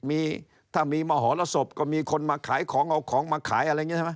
มีถ้ามีมหรสบก็มีคนมาขายของเอาของมาขายอะไรอย่างนี้ใช่ไหม